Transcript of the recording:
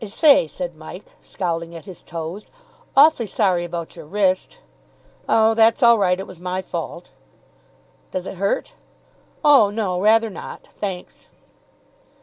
"I say," said Mike, scowling at his toes, "awfully sorry about your wrist." "Oh, that's all right. It was my fault." "Does it hurt?" "Oh, no, rather not, thanks."